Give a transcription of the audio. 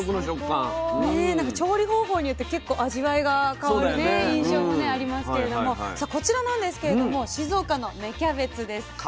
なんか調理方法によって結構味わいが変わる印象もありますけれどもさあこちらなんですけれども静岡の芽キャベツです。